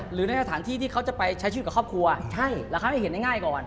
หรือในสถานที่ที่เขาจะไปใช้ชีวิตกับครอบครัวใช่แล้วเขาให้เห็นง่ายก่อน